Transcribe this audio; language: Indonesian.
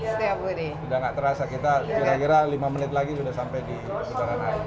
sudah tidak terasa kita kira kira lima menit lagi sudah sampai di putaran hari